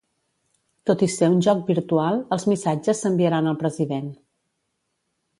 Tot i ser un joc virtual, els missatges s'enviaran al president.